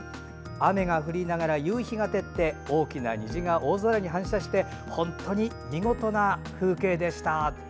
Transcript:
雨が降りながら夕日が照って大きな虹が大空に反射して本当に見事な風景でした。